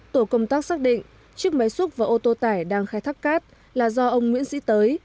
tổ công tác xác định chiếc máy xúc và ô tô tải đang khai thác cát là do ông nguyễn sĩ tới